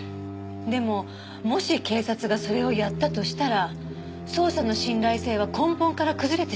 でももし警察がそれをやったとしたら捜査の信頼性は根本から崩れてしまいます。